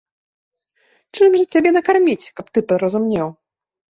Чым жа цябе накарміць, каб ты паразумнеў?